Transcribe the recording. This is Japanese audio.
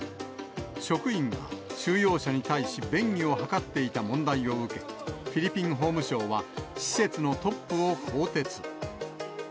職員が収容者に対し便宜を図っていた問題を受け、フィリピン法務省は施設のトップを更迭。